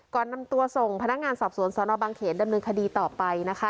ก่อนนำตัวส่งพนักงานสอบสวนสนบางเขนดำเนินคดีต่อไปนะคะ